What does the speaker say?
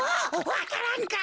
わか蘭か？